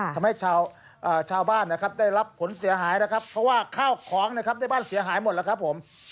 ทำให้ชาวบ้านนะครับได้รับผลเสียหายนะครับเพราะว่าข้าวของนะครับได้บ้านเสียหายหมดแล้วครับผม